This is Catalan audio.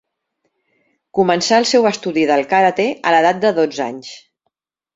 Començà el seu estudi del karate a l'edat de dotze anys.